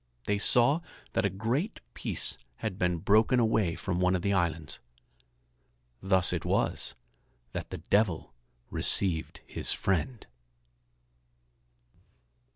They saw that a great piece had been broken away from one of the islands. Thus it was that the Devil received his friend.